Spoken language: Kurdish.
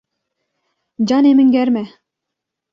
Canê min germ e.